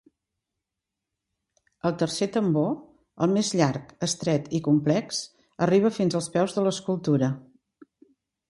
El tercer tambor, el més llarg, estret i complex, arriba fins als peus de l'escultura.